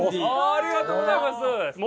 ありがとうございます！